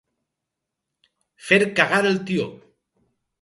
Fer cagar el tió.